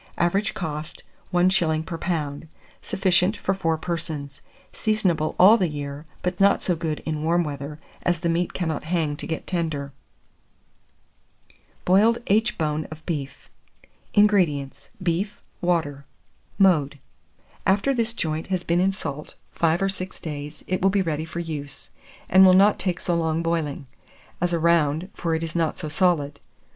Average cost, 1s. per lb. Sufficient for 4 persons. Seasonable all the year; but not so good in warm weather, as the meat cannot hang to get tender. [Illustration: AITCH BONE OF BEEF.] BOILED AITCH BONE OF BEEF. 607. INGREDIENTS. Beef, water. Mode. After this joint has been in salt 5 or 6 days, it will be ready for use, and will not take so long boiling: as a round, for it is not so solid.